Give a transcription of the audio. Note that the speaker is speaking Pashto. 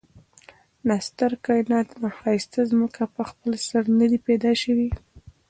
دا ستر کاينات دا ښايسته ځمکه په خپل سر ندي پيدا شوي